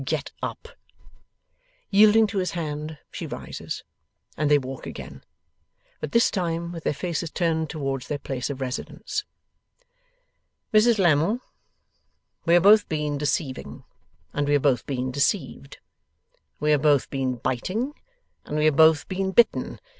Get up.' Yielding to his hand, she rises, and they walk again; but this time with their faces turned towards their place of residence. 'Mrs Lammle, we have both been deceiving, and we have both been deceived. We have both been biting, and we have both been bitten.